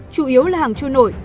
chủ yếu là hàng trôi nổi